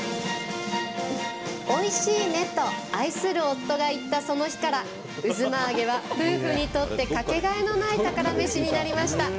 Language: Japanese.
おいしいねと愛する夫が言ったその日からうづまあげは夫婦にとってかけがえのない宝メシになりました。